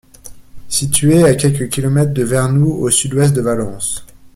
Située à quelques kilomètres de Vernoux au sud-ouest de Valence.